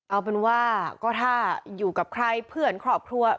เอาเป็นว่าก็ถ้าอยู่กับใครเพื่อนครอบครัว